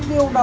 có đó kia đấy